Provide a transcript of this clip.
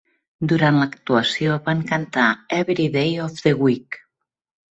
Durant l'actuació van cantar "Every Day of the Week".